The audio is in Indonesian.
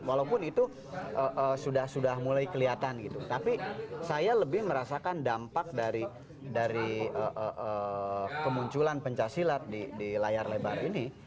walaupun itu sudah mulai kelihatan gitu tapi saya lebih merasakan dampak dari kemunculan pencaksilat di layar lebar ini